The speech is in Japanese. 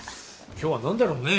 今日は何だろうね。